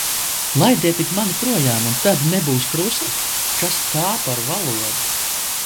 Laidiet tik mani projām, un tad nebūs krusta. Kas tā par valodu!